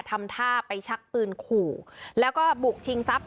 ทำท่าไปชักปืนขู่แล้วก็บุกชิงทรัพย